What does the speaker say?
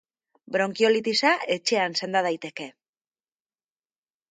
Bronkiolitisa etxean senda daiteke.